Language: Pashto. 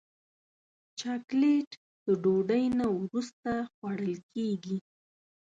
چاکلېټ د ډوډۍ نه وروسته خوړل کېږي.